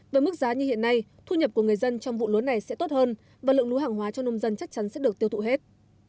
với mức giá như hiện nay thu nhập của người dân trong vụ lúa này sẽ tốt hơn và lượng lúa hàng hóa cho nông dân chắc chắn sẽ được tiêu thụ hết